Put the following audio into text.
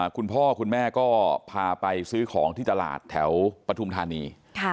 คุณพ่อคุณแม่ก็พาไปซื้อของที่ตลาดแถวปฐุมธานี